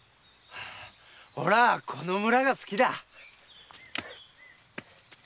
おらあこの村が好きだ。